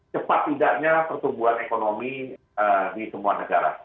cepat tidaknya pertumbuhan ekonomi di semua negara